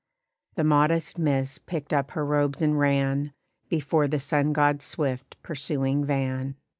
The modest mist picked up her robes and ran Before the Sun god's swift pursuing van.